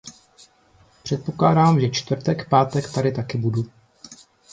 Předpokládám, že čtvrtek pátek tady taky budu.